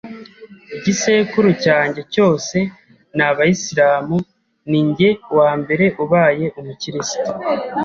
Igisekuru cyanjye cyose ni Abasilamu ninjye wa mbere ubaye umukristo